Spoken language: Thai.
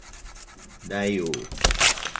ได้อยู่